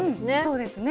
そうですね。